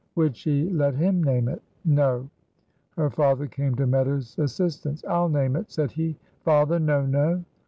"Would she let him name it?" "No." Her father came to Meadows' assistance. "I'll name it," said he. "Father! no! no!"